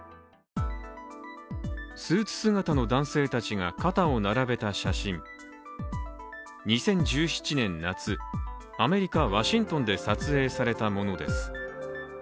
スーツ姿の男性たちが肩を並べた写真２０１７年夏、アメリカ・ワシントンで撮影されたものです。